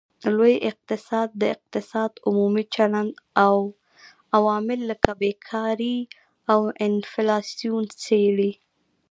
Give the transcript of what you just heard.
لوی اقتصاد د اقتصاد عمومي چلند او عوامل لکه بیکاري او انفلاسیون څیړي